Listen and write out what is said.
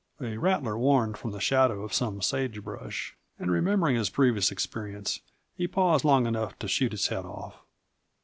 A rattler warned from the shadow of some sage brush and, remembering his previous experience, he paused long enough to shoot its head off.